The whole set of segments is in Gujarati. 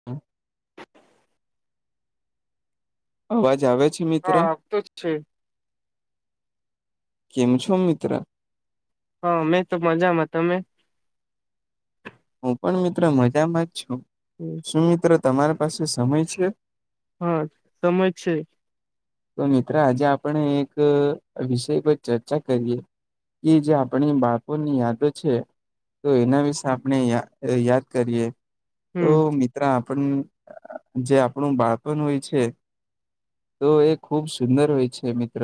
[unintelligible] અવાજ આવે છે. મિત્ર હા આ તો જ છે. કેમ છો મિત્ર. હા મેં તો મજામાં તમે. હું પણ મિત્ર મજામાં જ છું. હમ. મિત્ર તમારી પાસે સમય છે. હા સમય છે. તો મિત્ર આજે આપણે એક વિષય પર ચર્ચા કરીએ. એ જે આપણી બાળપણ ની યાદો છે. તો એના વિશે આપણે યાદ કરીએ તો હમ મિ. ત્ર આપણ જે આપણું બાળપણ હોય છે તો એક. ખુબ સુંદર હોય છે મિત્ર.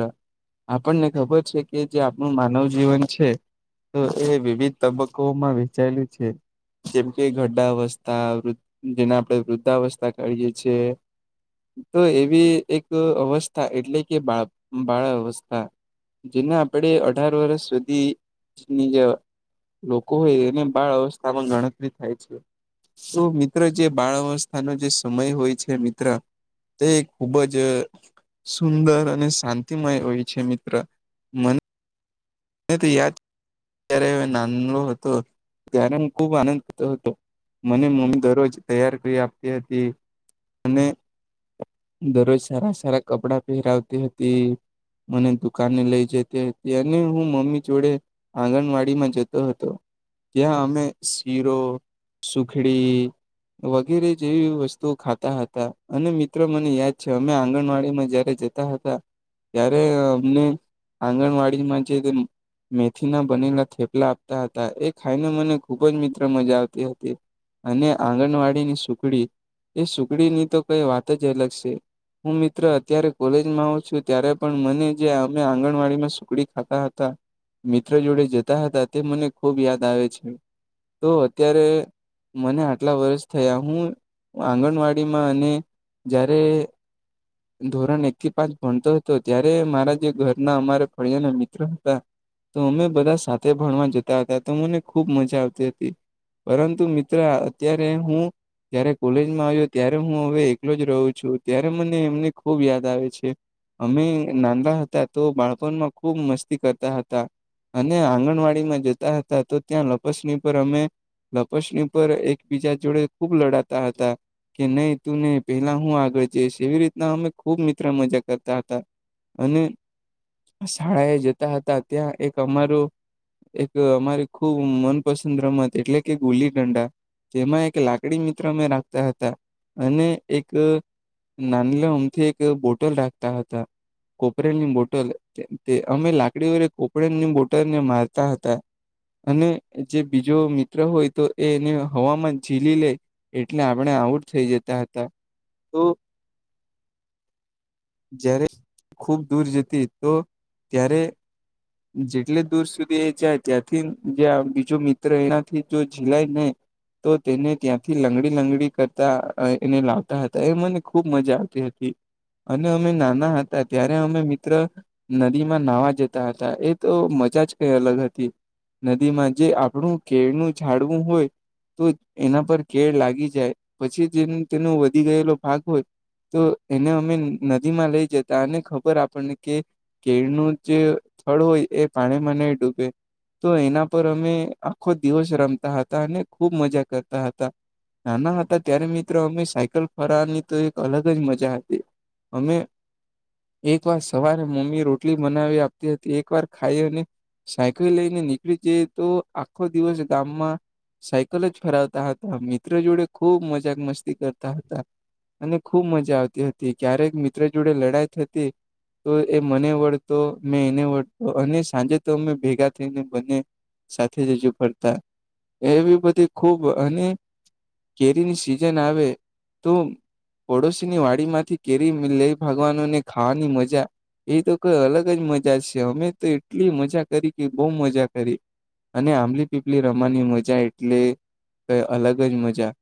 આપણને ખબર છે કે જે આપણું માનવ જીવન છે. તો એ વિવિધ તબક્કોમાં વેચાયેલું છે. જેમકે ગઢાવસ્થાૃ જેને આપડે વૃદ્ધાવસ્થા કહિએ છીએ. તો એવી એક અવસ્થા એટલે કે બાળ બાળ અવસ્થા. જેના આપડે અઢાર વર્ષ સુધીની જે. લોકો હોય એને બાળ અવસ્થામાં ગણતરી થાય છે. શું મિત્ર જે બાળ અવસ્થાનો જે સમય હોય છે મિત્ર. તે ખુબ જ. સુંદર અને શાંતિમય હોય છે મિત્ર મને. તો યાદ જ્યારે નાનલો હતો ત્યારે હું ખૂબ આનંદ કરતો હતો. મને મમ્મી દરરોજ તૈયાર કરી આપતી હતી અને. દરરોજ સારા સારા કપડાં પહેરાવતી હતી. મને દુકાન ને લઈ જતી હતી અને હુ. મમ્મી જોડે આંગણવાડી માં જતો હતો. ત્યાં અમે શીરો સુખડી. વગેરે જેવી વસ્તુઓ ખાતા હતા અને મિત્ર મને યાદ છે અમે આંગણવાડીમાં જયારે જ. હતા ત્યારે અમને આંગણવાડીમાં. મેથીના બનેલા થેપલા આપતા હતા એ ખાઈને મને ખૂબ જ મિત્ર મજા આવતી હતી. અને આંગણવાડીની સુખડી એ સુખડી ની તો કઈ વાત જ અલગ છે. હું મિત્ર અત્યારે કોલેજમાં આવ છું ત્યારે પણ મને જે અમે આંગણવાડીમાં સુખડી ખાતા હતા. મિત્ર જોડે જતા હતા તે મને ખૂબ યાદ આવે છે તો અત્યારે. મને આટલા વર્ષ થયા હું આંગણવાડીમાં અને. જ્યારે. ધોરણ એક થી પાંચ ભણતો હતો ત્યારે મારા જે ઘરના અમારા ફળિયા ના મિત્ર હતા. તો અમે બધા સાથે ભણવા જતા હતા તો મને ખુબ મજા આવતી હતી. પરંતુ મિત્ર અત્યારે હુ. જયારે કોલેજમાં આવ્યો ત્યારે હું હવે એકલો જ રહું છું ત્યારે મને એમની ખુબ યાદ આવે છે. અમે નાના હતા તો બાળપણમાં ખુબ મસ્તી કરતા હતા. તા અને આંગણવાડીમાં જતા હતા તો ત્યાં લપસણી પર અમે લપસણી પર એકબીજા જોડે ખુબ લડાતા હતા. કે નહી તું નહી પેલા હું આગળ જઈશ એવી રીતના અમે ખુબ મિત્ર મજા કરતા હતા. અને શાળા એ જતા હતા ત્યાં એક અમારું એક અમારી ખૂબ મનપસંદ રમત એટલે કે ગુલી ડંડા જેમાં એક લાકડી મિત્ર મેં રાખતા હતા અને એક નાનલે આમથી એક બોટલ રાખતા હતા. કોપરેની બોટલ તે અમે લાકડીઓર કોપરેની બોટલ ને મારતા હતા. અને જે બીજો મિત્ર હોય તો એને હવામાન ઝીલી લે એટલે આપણે આઉટ થઈ જતા હતા તો જારે ખૂબ દૂર જતી તો ત્યારે જેટલી દૂર સુધી એ જાય ત્યાંથી જે બીજો મિત્ર એનાથી જો ઝીલાય ને તો તેને ત્યાંથી લંગડી લંગડી કરતા એને લાવતા હતા એ મને ખૂબ મજા આવતી હતી. અને અમે નાના હતા, ત્યારે અમે મિત્ર નદીમાં નાહવા જતા હતા. તા એ તો મજા જ કઈ અલગ હતી. નદીમાં જે આપણું કેળનું ઝાડવું હોય. તો એના પર કેળ લાગી જાય પછી જે તેનો વધી ગયેલો ભાગ હોય. તો એને અમે નદીમાં લઈ જતા અને ખબર આપણને કે. કેળ નું જે થળ હોય એ પાણી માં નહી ડૂબે તો એના પર અમે આખો દિવસ રમતા હતા અને ખૂબ મજા કરતા હતા નાના હતા ત્યારે મિત્રો અમે સાયકલ ફરવાની તો એક અલગ જ મજા હતી અમે એક વાર સવારે મમ્મી રોટલી બનાવી આપ હતી એક વાર ખાઈ અને. સાયકલ લઈને નીકળી જઈ તો આખો દિવસ ગામમાં સાયકલ જ ફરાવતા હતા મિત્ર જોડે ખૂબ મજાક મસ્તી કરતા હતા અને ખુબ મજા આવતી હતી ક્યારેક મિત્ર જોડે લડાઈ થતી તો એ મને વળતો. મેં એને વઢતો અને સાંજે તો અમે ભેગા થઈને બંને સાથે રજુ પડતા. એવી બધી ખૂબ અને કેરીની સિઝન આવે તો પડોશીની વાડી માંથી કેરી લઈ ભાગવાનો ને ખાવાની મજા એ તો કોઈ અલગ એક જ મજા છે અમે તો એટલી મજા કરી કે બહુ મજા કરી અને આંબલી પીપલી રમવાની મજા એટલે કઈ અલગ જ મજા.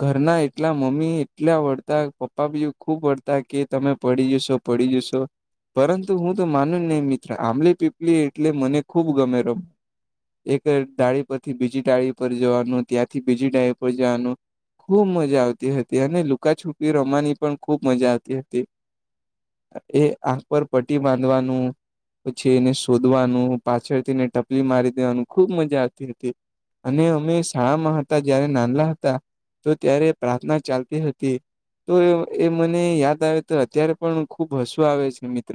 ઘરના એટલા મમ્મી એટલા વઢતા પપ્પા બી ખુબ વઢતા કે તમે પડી જશો. પડી જશો પરંતુ હું. તો માનું નઇ મિત્ર આંબલી પીપલી એટલે મને ખુબ ગમે રમ એક ડાળી પરથી બીજી ડાળી પર જવાનું ત્યાંથી બીજી ડાળી પર જવાનું ખૂબ મજા આવતી હતી અને લુકા છુપી રમવાની પણ ખૂબ મજા આવતી હતી. એ આંખ પર પટ્ટી બાંધવાનું. પછી એને શોધવાનું પાછળથીને ટપલી મારી દેવાનું ખુબ મજા આવતી હતી અને અમે શાળામાં હતા જયારે ના ના હતા તો ત્યારે પ્રાર્થના ચાલતી હતી. તો એ મને યાદ આવે તો અત્યારે પણ ખુબ હસુ આવે છે મિત્ર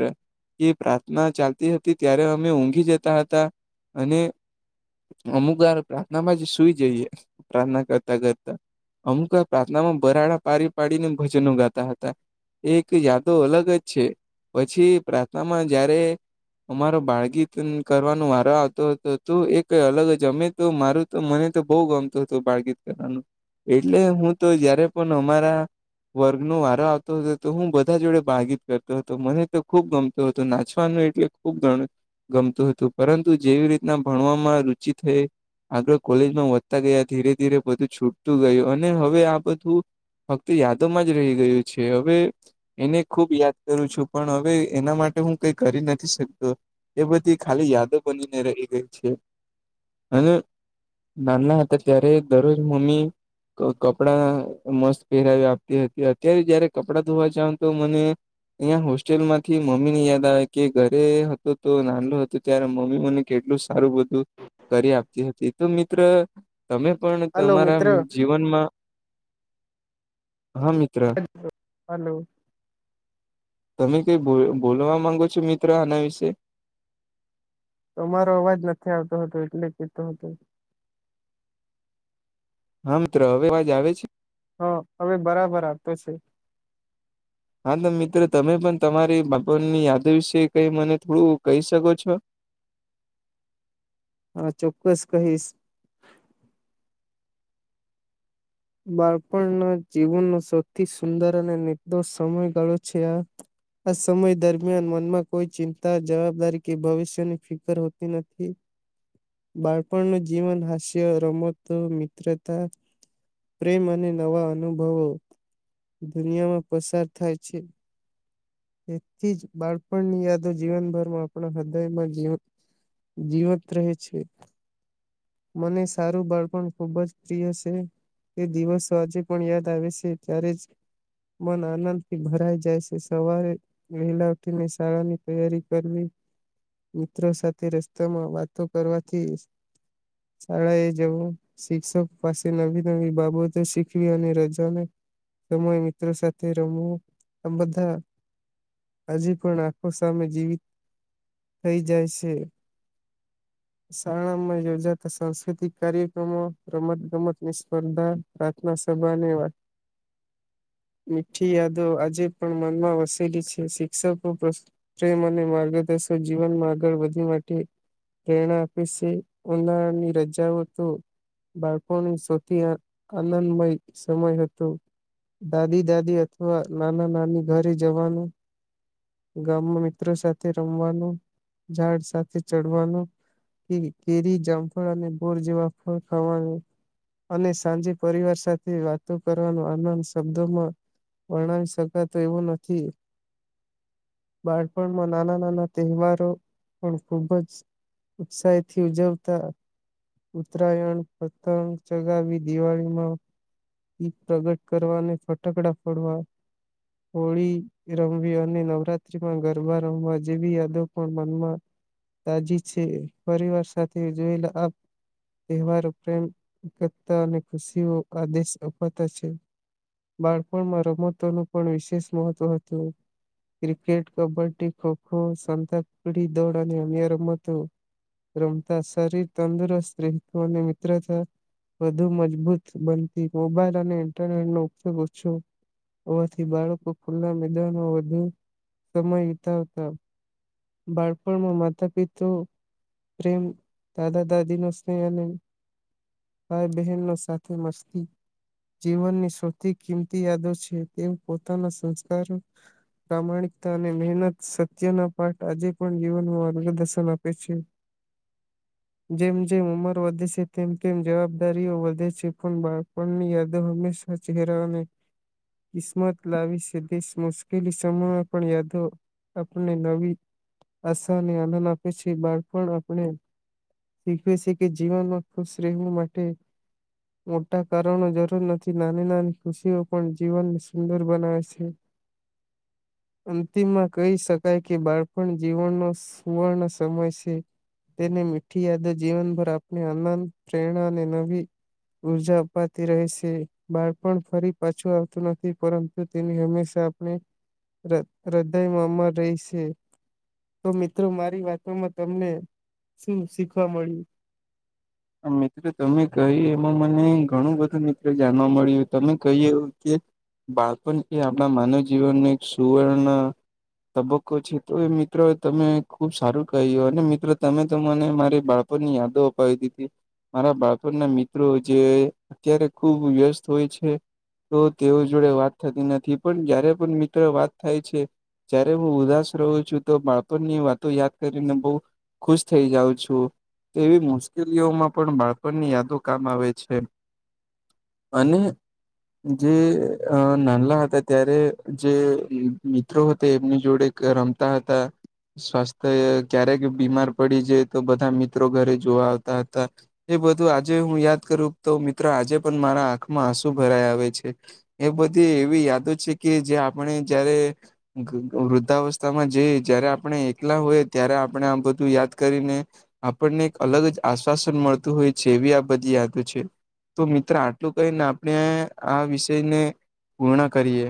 એ પ્રાર્થના ચાલતી હતી ત્યારે અમે ઊંઘી જતા હતા અને અમુક વાર પ્રાર્થનામાં જ સુઈ જઈએ પ્રાર્થના કરતા કરતા અમુક પ્રાર્થનામાં બરાડા પડી પાડીને ભજનો ગાતા હતા એક યાદો અલગ જ છે પછી પ્રાર્થનામાં જયારે અમારો બાળગી ગીત કરવાનો વારો આવતો હતો તું એ કઈ અલગ જ અમે તો મારું તો મને તો બહુ ગમતું હતું બાળગીત એટલે હું તો જયારે પણ અમારા વર્ગ નો વારો આવતો હતો તો હું બધા જોડે બાળગીત કરતો હતો મને તો ખુબ ગમ તો તો નાચવાનું એટલે ખુબ ગણું ગમતું હતું પરંતુ જેવી રીતના ભણવામાં રુચિ થઈ આગળ કોલેજમાં વધતા ગયા ધીરે ધીરે બધું છૂટતું ગયું અને હવે આ બધું ફક્ત યાદોમાં જ રહી ગયું છે હવે એને ખુબ યાદ કરું છું પણ હવે એના માટે હું કઈ કરી નથી શકતો એ બધી ખાલી યાદો બનીને રહી ગઈ છે અને નાના હતા ત્યારે દરરોજ મમ્મી કપડાં મસ્ત પહેરાવી આપતી હતી અત્યારે જયારે કપડાં ધોવા જાવ તો મને અહીંયા હોસ્ટેલ માંથી મમ્મી ની યાદ આવે કે ઘરે હતો તો નાલો હતો ત્યારે મમ્મી મને કેટલું સારું બધું કરી આપતી હતી તો મિત્ર તમે પણ હલો તમારા મિત્ર જીવનમાં હા મિત્ર હલો તમે કઈો બોલવા માંગો છો મિત્ર આના વિશે તો અમારો અવાજ નથી આવતો હતો એટલે કીતોું હતું હા મિત્રો હવે અવાજ આવે છે હા હવે બરાબર આપતો છે હા તો મિત્ર તમે પણ તમારી બાપની યાદ વિશે કઈ મને થોડું કહી શકો છો હા ચોક્કસ કહીશ બાળપણના જીવનનો સૌથી સુંદર અને નિદોષ સમય ગાળો છે આ આ સમય દરમિયાન મનમાં કોઈ ચિંતા જવાબદારી કે ભવિષ્યની ફિકર હોતી નથી [inaudible] બાળપણ ન જીવન હાસ્ય રમતો મિત્રતા પ્રેમ અને નવા અનુભવો દુનિયામાં પસાર થાય છે તેથી જ બાળપણની યાદો જીવનભરમાં આપણા હૃદયમાં જવ જીવત રહેે છે મને સારું બાળપણ ખુબ જ પ્રિય છે એ દિવસો આજે પણ યાદ આવે છે ત્યારે જ મન આનંદ થી ભરાઈ જાય છે સવારે વેહલા ઉઠી ને શાળા ની તૈયારી કરવી મિત્રો સાથે રસ્તામાં વાતો કરવાથી જ શાળા એ જવું શિક્ષક પાસે નવી નવી બાબતો શીખવી અને રજાને સમય મિત્રો સાથે રમવું આ બધા હજી પણ આખો સામે જીવિત થઈ જાય છે શાળામાં રજા સાંસ્કૃતિક કાર્યક્રમો રમત ગમતની સ્પર્ધા પ્રાર્થના સભા અને વા [inaudible] મીઠી યાદો આજે પણ મનમાં વસેલી છે શિક્ષકો પ્રેમ અને માર્ગદર્શક જીવનમાં આગળ વધી માટે પ્રેરણા આપી છે ઉનાળાની રજાઓ તો બાળકોની સૌથી આનંદમય સમય હતો દાદી દાદી અથવા નાના નાની ઘરે જવાનું ગામમાં મિત્રો સાથે રમવાનું ઝાડ સાથે ચડવાનું કેરી કેરી જામફળ અને બોર જેવા ફળ ખાવાનું અને સાંજે પરિવાર સાથે વાતો કરવાનો આનંદ શબ્દોમાં વર્ણાવી શકાતો એવું નથી બાળપણમાં નાના નાના તહેવારો પણ ખુબ જ ઉત્સાહી થી ઉજવતા ઉત્તરાયણ પતંગ ચગાવી દિવાળીમાં દીપ પ્રગટ કરવાને ફટકડા ફોડવા હોળી રમવી અને નવરાત્રીમાં ગરબા રમવા જેવી યાદો પણ મનમાં તાજી છે પરિવાર સાથે જોયેલા આપ તહેવારો પ્રેમ એકતા અને ખુશીઓ આદેશ અપાતા છે. બાળપણમાં રમતોનું પણ વિશેષ મહત્વ હતું. ક્રિકેટ કબડ્ડી ખોખો સંતાકુકડી દોડ અને અન્ય રમતો રમતા શરીર તંદુરસ્ત રહેતું અને મિત્રતા વધુ મજબૂત બનતી મોબાઈલ અને ઇન્ટરનેટ નો ઉપયોગ ઓછો હોવાથી બાળકો ખુલ્લા મેદાનમાં વધુ સમય વિતાવતા. બાળપણમાં માતા પિતું પ્રેમ દાદા દાદી નો સ્નેહ અને ભાઈ બહેન નો સાથે મસ્તી જીવનની સૌથી કિંમતી યાદો છે તે પોતાના સંસ્કારો પ્રામાણિકતા અને મહેનત સત્યના પાઠ આજે પણ જીવનમાં માર્ગદર્શન આપે છે. જેમ જેમ ઉંમર વધે છે તેમ તેમ જવાબદારીઓ વધે છે પણ બાળ પણની યાદો હંમેશા ચહેરાઓ ને કિસ્મત લાવી છે [unintelligible] મુશ્કેલી સમમાં પણ યાદો આપને નવી આશાને આનંદ આપે છે બાળપણ આપણે શીખવે છે કે જીવનમાં ખુશ રહેવું માટે મોટા કારણો જરૂર નથી નાની નાની ખુશીઓ પણ જીવનને સુંદર બનાવે છે. [inaudible] અંતિમમાં કહી શકાય કે બાળપણ જીવનનો સુવર્ણ સમય છે. તેને મીઠી યાદ જીવનભર આપણે આનંદ પ્રેરણા અને નવી ઉર્જા આપતી રહે છે બાળપણ ફરી પાછું આવતું નથી પરંતુ તેની હંમેશા આપણે ર હૃદયમાં અમર રહી છે. તો મિત્રો મારી વાતોમાં તમને શું શીખવા મળ્યું મિત્ર તમે કહી એમાં મને ઘણું બધું મિત્ર જાણવા મળ્યું તમે કહ્યું એવું કે બાળપણ એ આપણા માનવ જીવનને એક સુવર્ણ તબક્કો છે તો એ મિત્રો તમે ખુબ સારું કહ્યું અને મિત્ર તમે તો મને મારી બાળ પણ ની યાદો અપાય દીધી. મારા બાળપણના મિત્રો જે અત્યારે ખુબ વ્યસ્ત હોય છે. તો તેઓ જોડે વાત થતી નથી પણ જયારે પણ મિત્ર વાત થાય છે. જય્યારે હું ઉદાસ રહું છું તો બાળપણની વાતો યાદ કરીને બો ખુશ થઇ જાઉં છું એવી મુશકે લીઓમાં પણ બાળકોની યાદો કામ આવે છે અને જે નાનલા હતા ત્યારે જે મિત્રો હતા એમની જોડે રમતા હતા. સ્વાસ્થ્ય ક્યારેક બીમાર પડી જાય તો બધા મિત્રો ઘરે જોવા આવતા હતા. એ બધું આજે હું યાદ કરું તો મિત્રો આજે પણ મારા આંખમાં આંસુ ભરાય આવે છે. એ બધી એવી યાદો છે કે જે આપણે જયારે વૃદ્ધાવસ્થામાં જઈ જયારે આપણે એકલા હોય ત્યારે આપણે આ બધું યાદ કરીને આપણને એક અલગ જ આશ્વાસન મળતું હોય છે એવી આ બધી યાદો છે. તો મિત્ર આટલું કહીને આપણે આ વિષયને પૂર્ણ કરીએ.